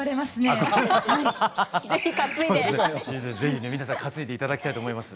ぜひね皆さん担いで頂きたいと思います。